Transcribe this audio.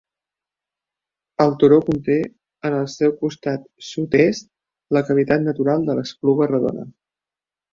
El turó conté, en el seu costat sud-est, la cavitat natural de l'Espluga Redona.